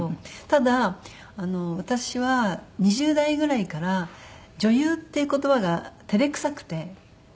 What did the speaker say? ただ私は２０代ぐらいから「女優」っていう言葉が照れくさくてなんだか。